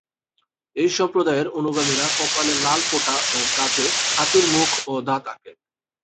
এই সম্প্রদায়ের অনুগামীরা কপালে লাল ফোঁটা ও কাঁধে হাতির মুখ ও দাঁত আঁকেন।